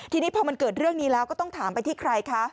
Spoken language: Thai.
ทีนี้พอมันเกิดเรื่องนี้แล้วก็ต้องถามไปที่ใครคะ